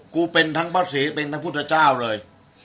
กูเป็นทั้งพระศรีเป็นทั้งพุทธเจ้าเลย